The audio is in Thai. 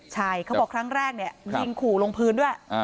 ใช่เขาบอกครั้งแรกเนี่ยยิงขู่ลงพื้นด้วย